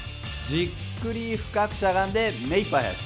じっくり深くしゃがんで目いっぱい速く。